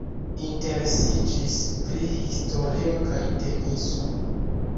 Interesiĝis pri historio kaj teniso.